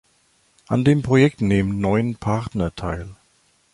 An dem Projekt nehmen neun Partner teil.